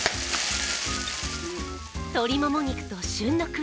鶏もも肉と旬の栗。